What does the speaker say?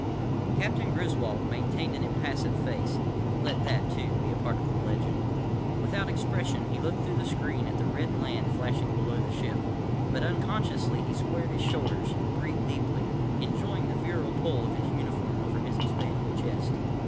———— Captain Griswold maintained an impassive face. (Let that, too, be a part of the legend.) Without expression, he looked through the screen at the red land flashing below the ship. But unconsciously he squared his shoulders, breathed deeply, enjoying the virile pull of his uniform over his expanding chest.